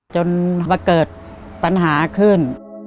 จนมาเกิดปัญหาขึ้น